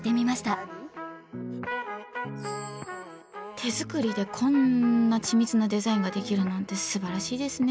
手作りでこんな緻密なデザインができるなんてすばらしいですね。